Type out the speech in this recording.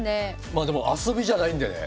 まあでも遊びじゃないんでね。